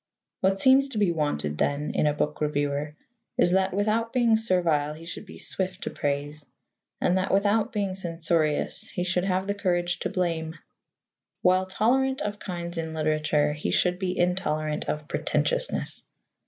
What seems to be wanted, then, in a book reviewer is that, without being servile, he should be swift to praise, and that, without being censorious, he should have the courage to blame. While tolerant of kinds in literature, he should be intolerant of pretentiousness.